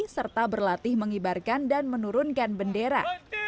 serta berlatih mengibarkan dan menurunkan bendera